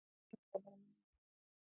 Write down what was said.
زه د ښوونکو خبره منم.